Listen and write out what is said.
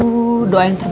udah zamir fighters